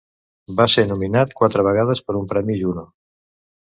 Va ser nominat quatre vegades per un premi Juno.